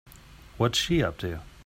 What's she up to?